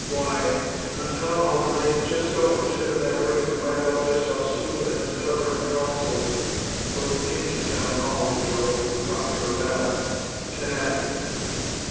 Why! On Town Hall night, just go and sit in that room and find out just how stupid and stubborn a Council, (put into Town Hall, you know, through popular ballot!), can act.